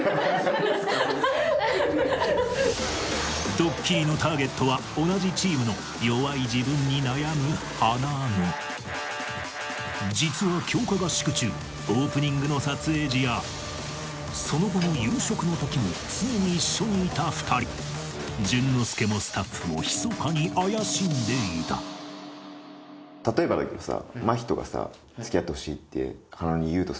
ドッキリのターゲットは同じチームの弱い自分に悩むはなの実は強化合宿中その後の夕食の時も常に一緒にいた２人淳之介もスタッフもひそかに怪しんでいた例えばだけどさ。